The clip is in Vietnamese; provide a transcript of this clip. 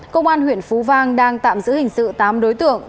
công an huyện phú vang đang tạm giữ hình sự tám đối tượng